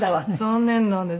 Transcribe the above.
残念なんです。